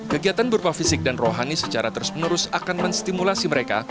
kegiatan berupa fisik dan rohani secara terus menerus akan menstimulasi mereka